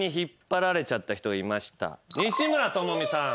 西村知美さん。